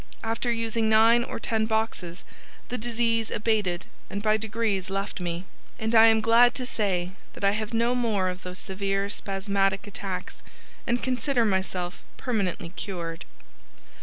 After using nine or ten boxes the disease abated and by degrees left me, and I am glad to say that I have no more of those severe spasmodic attacks and consider myself permanently cured."